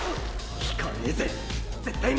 引かねえぜ絶対に！